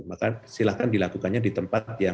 maka silahkan dilakukannya di tempat yang